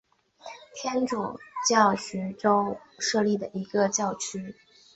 天主教徐州教区是天主教在中国江苏省设立的一个教区。